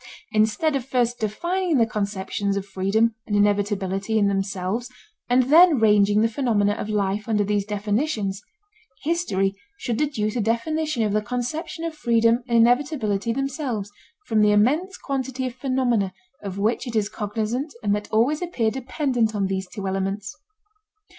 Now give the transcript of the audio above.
Instead of first defining the conceptions of freedom and inevitability in themselves, and then ranging the phenomena of life under those definitions, history should deduce a definition of the conception of freedom and inevitability themselves from the immense quantity of phenomena of which it is cognizant and that always appear dependent on these two elements.